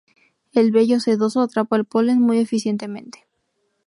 El vello sedoso atrapa el polen muy eficientemente.